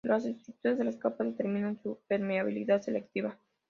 Las estructuras de las capas determinan su permeabilidad selectiva.